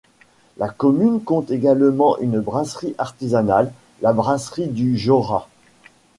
La commune compte également une brasserie artisanale, la Brasserie du Jorat.